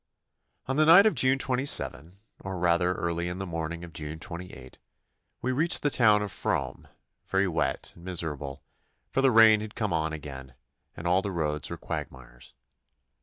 On the night of June 27, or rather early in the morning of June 28, we reached the town of Frome, very wet and miserable, for the rain had come on again, and all the roads were quagmires.